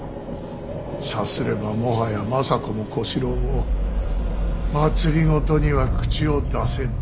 さすればもはや政子も小四郎も政には口を出せぬ。